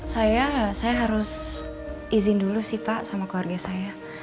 saya saya harus izin dulu sih pak sama keluarga saya